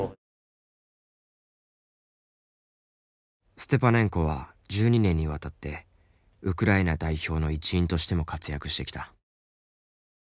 ステパネンコは１２年にわたってウクライナ代表の一員としても活躍してきた。